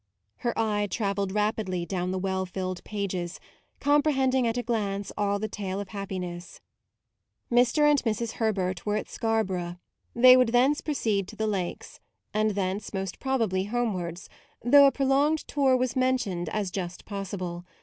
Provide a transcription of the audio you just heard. Her eye travelled rapidly down the well filled pages, comprehending at a glance all the tale of happiness. Mr. and Mrs. Herbert were at Scar borough; they would thence proceed to the Lakes; and thence, most prob ably, homewards, though a pro longed tour was mentioned as just possible.